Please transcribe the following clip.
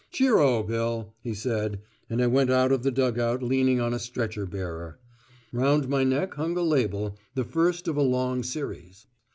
"Cheero, Bill," he said, and I went out of the dug out leaning on a stretcher bearer. Round my neck hung a label, the first of a long series.